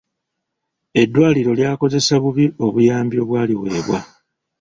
Eddwaliro lyakozesa bubi obuyambi obwaliweebwa.